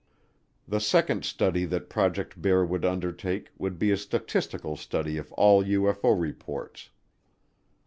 The second study that Project Bear would undertake would be a statistical study of all UFO reports.